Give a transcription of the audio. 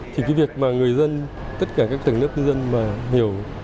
thì cái việc mà người dân tất cả các tầng lớp nhân dân mà hiểu